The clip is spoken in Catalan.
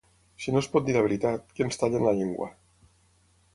Si no es pot dir la veritat, que ens tallin la llengua.